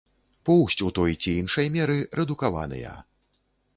Поўсць ў той ці іншай меры рэдукаваныя.